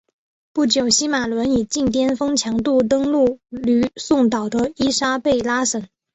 不久西马仑以近颠峰强度登陆吕宋岛的伊莎贝拉省。